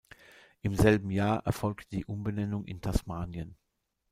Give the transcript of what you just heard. Im selben Jahr erfolgte die Umbenennung in Tasmanien.